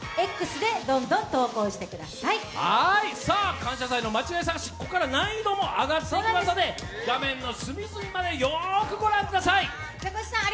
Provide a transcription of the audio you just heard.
「感謝祭」の間違い探し、ここから難易度も上がっていくので画面の隅々までよくご覧ください。